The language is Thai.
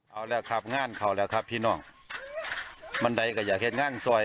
เอาแล้วครับงานเขาแล้วครับพี่น้องบันไดก็อยากเห็นงานซอย